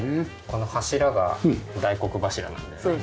この柱が大黒柱なんだよね。